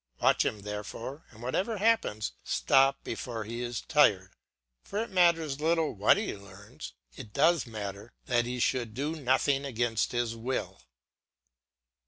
Watch him, therefore, and whatever happens, stop before he is tired, for it matters little what he learns; it does matter that he should do nothing against his will.